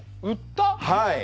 はい。